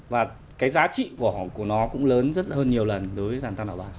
và cái giá trị của nó cũng lớn rất là hơn nhiều lần đối với giàn tàm đảo ba